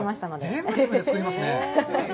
全部自分で作りますね。